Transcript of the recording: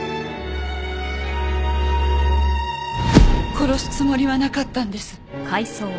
殺すつもりはなかったんです。